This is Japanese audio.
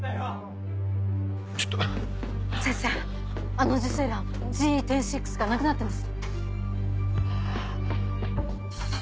あの受精卵ＧＥ１０．６がなくなってます。